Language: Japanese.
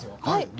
はい！